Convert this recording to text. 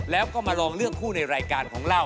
แล้วก็มาลองเลือกคู่ในรายการของเรา